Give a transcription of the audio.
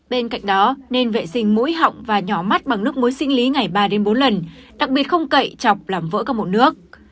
bên cạnh đó nên vệ sinh mũi họng và nhỏ mắt bằng nước muối sinh lý ngày ba bốn lần đặc biệt không cậy chọc làm vỡ các mẫu nước